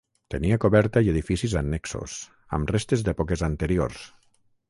Tenia coberta i edificis annexos, amb restes d'èpoques anteriors.